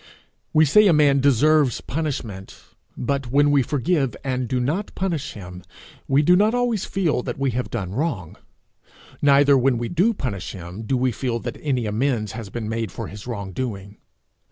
We say a man deserves punishment; but when we forgive and do not punish him, we do not always feel that we have done wrong; neither when we do punish him do we feel that any amends has been made for his wrongdoing.